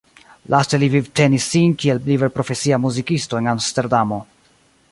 Laste li vivtenis sin kiel liberprofesia muzikisto en Amsterdamo.